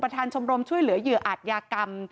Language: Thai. ชมรมช่วยเหลือเหยื่ออาจยากรรม